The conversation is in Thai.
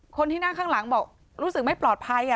คนที่นั่งข้างหลังบอกรู้สึกไม่ปลอดภัย